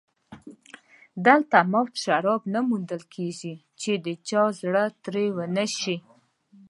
دلته مفت شراب نه موندل کېږي چې د چا زړه ترې ونشي